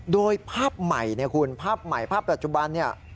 โดยภาพใหม่ภาพใหม่ภาพปัจจุบัน